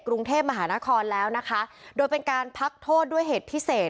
กรุงเทพมหานครแล้วนะคะโดยเป็นการพักโทษด้วยเหตุพิเศษ